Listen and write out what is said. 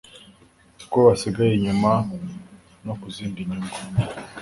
ko basigaye inyuma no ku zindi nyungu